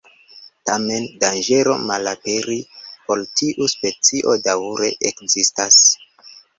Tamen danĝero malaperi por tiu specio daŭre ekzistas.